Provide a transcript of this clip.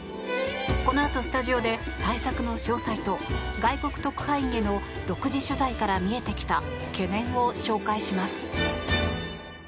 このあとスタジオで対策の詳細と外国特派員への独自取材から見えてきた懸念を紹介します。